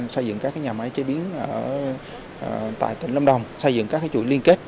xây dựng các cái nhà máy chế biến ở tại tỉnh lâm đồng xây dựng các cái chuỗi liên kết